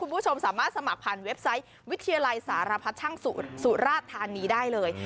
คุณผู้ชมสามารถสมัครผ่านเว็บไซต์วิทยาลัยสารพัดช่างสูตรสุราธานีได้เลย